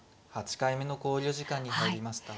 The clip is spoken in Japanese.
８回目の考慮時間に入りました。